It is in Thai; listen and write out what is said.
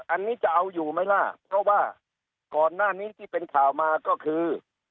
อันนี้จะเอาอยู่ไหมล่ะเพราะว่าก่อนหน้านี้ที่เป็นข่าวมาก็คือ